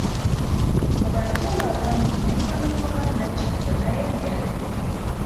Mu bantu abo abangi ne mwana muwala Nnakitto naye mwe yali